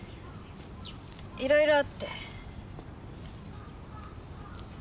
いろいろあって。